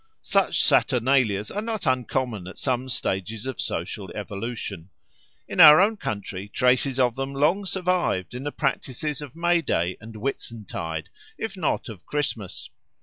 Such Saturnalias are not uncommon at some stages of social evolution. In our own country traces of them long survived in the practices of May Day and Whitsuntide, if not of Christmas.